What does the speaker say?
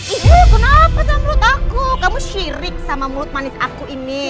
ibu kenapa tuh menurut aku kamu syirik sama mulut manis aku ini